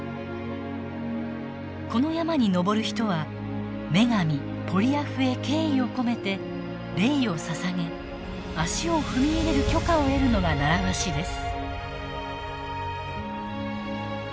この山に登る人は女神ポリアフへ敬意を込めてレイを捧げ足を踏み入れる許可を得るのが習わしです。